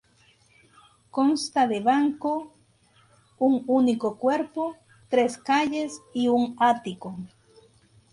Consta de banco, un único cuerpo, tres calles y un ático.